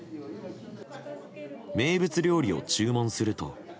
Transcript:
名物料理を注文すると。